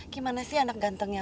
gimana sih anak gantengnya